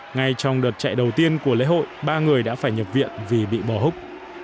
ngay trong đợt chạy đầu tiên của lễ hội ba người đã phải nhập viện vì bị bỏ húc